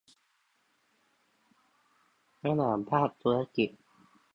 ระหว่างภาคธุรกิจ